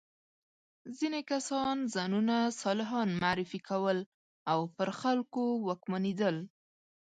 ځینې کسان ځانونه صالحان معرفي کول او پر خلکو واکمنېدل.